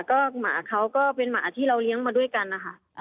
ก็หมาเขาก็เป็นหมาที่เราเลี้ยงมาด้วยกันนะคะ